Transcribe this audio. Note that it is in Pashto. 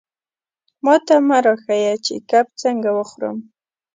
ماته مه را ښیه چې کب څنګه وخورم.